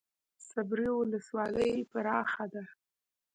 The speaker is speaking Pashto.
صبریو ولسوالۍ پراخه ده؟